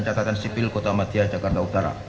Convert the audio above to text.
catatan sipil kota matiah jakarta utara